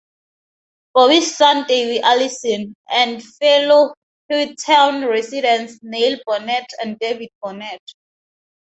Bobby's son Davey Allison, and fellow Hueytown residents Neil Bonnett, and David Bonnett.